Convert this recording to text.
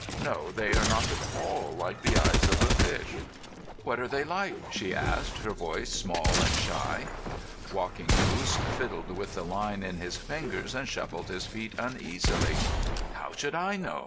"No, they are not at all like the eyes of a fish." "What are they like?" she asked, her voice small and shy. Walking Moose fiddled with the line in his fingers and shuffled his feet uneasily. "How should I know?